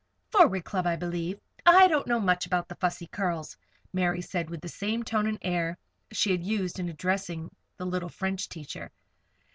"Forward Club, I believe. I don't know much about the Fussy Curls," Mary said, with the same tone and air that she used in addressing the little French teacher.